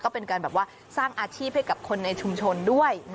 ก็เป็นการแบบว่าสร้างอาชีพให้กับคนในชุมชนด้วย